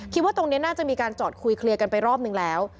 คิดว่าตรงนี้น่าจะมีการจอดคุยเคลียร์กันไปรอบนึงแล้ว